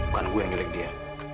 bukan gue yang ngelik dia